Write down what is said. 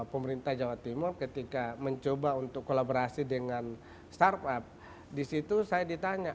pemerintah jawa timur ketika mencoba untuk kolaborasi dengan startup disitu saya ditanya